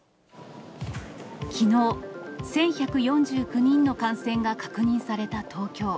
きのう、１１４９人の感染が確認された東京。